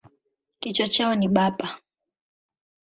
Kichwa chao ni bapa.